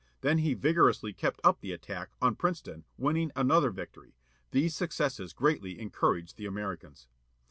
Then he vigorously kept up the attack, on Princeton, winning another victory. These successes greatly encouraged the Americans.